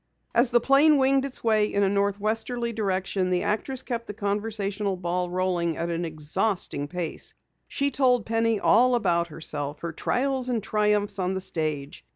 As the plane winged its way in a northwesterly direction, the actress kept the conversational ball rolling at an exhausting pace. She told Penny all about herself, her trials and triumphs on the stage.